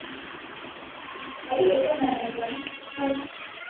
Mwaka huu umekuwa mgumu sana kuliko miaka mingine